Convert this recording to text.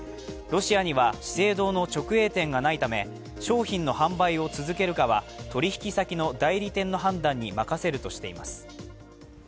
ロシアには資生堂の直営店がないため、商品の販売を続けるかは取引先の代理店の判断に任せるとしています。